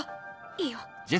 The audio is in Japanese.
いいよ！